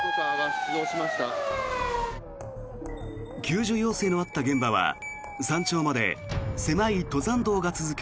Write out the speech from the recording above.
救助要請のあった現場は山頂まで狭い登山道が続く